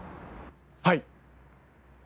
はい。